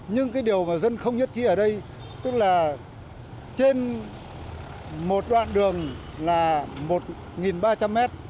nhưng cái điều mà dân không nhất trí ở đây tức là trên một đoạn đường là một ba trăm linh mét